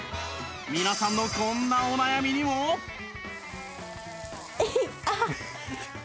皆さんのこんなお悩みにもえいっ！あっ！